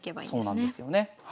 そうなんですよね。